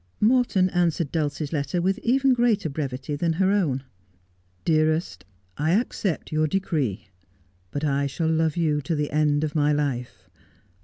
165 Morton answered Dulcie's letter with even greater brevity than her own. ' Dearest, — I accept your decree, but I shall love you to the end of my life.